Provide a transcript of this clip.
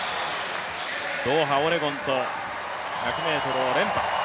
ドーハ、オレゴンと１００ｍを連覇。